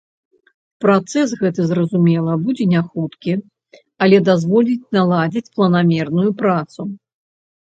Працэс гэты, зразумела, будзе не хуткі, але дазволіць наладзіць планамерную працу.